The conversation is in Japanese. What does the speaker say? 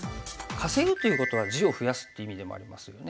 稼ぐということは地を増やすって意味でもありますよね。